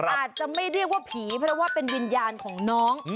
อาจจะไม่เรียกว่าผีเพราะว่าเป็นวิญญาณของน้อง